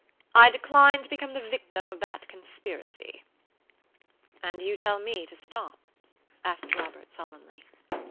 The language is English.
I decline to become the victim of that conspiracy." "And you tell me to stop?" asked Robert, solemnly.